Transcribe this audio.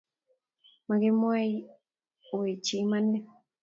Makimwaiweche imanit